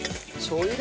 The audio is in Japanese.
しょう油。